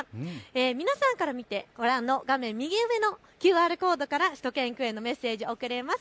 皆さんから見て画面右上のＱＲコードからしゅと犬くんへのメッセージを送れます。